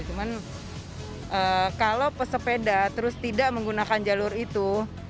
cuman kalau pesepeda terus tidak menggunakan jalur itu